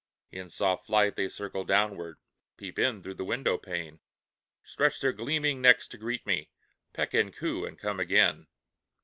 In soft flight, they circle downward, Peep in through the window pane; Stretch their gleaming necks to greet me, Peck and coo, and come again.